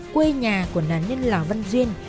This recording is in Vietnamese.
quê nhà của nạn nhân lào văn duyên